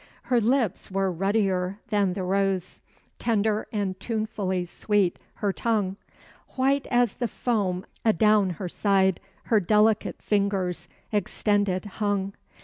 Her lips were ruddier than the rose; Tender and tunefully sweet her tongue; White as the foam adown her side Her delicate fingers extended hung.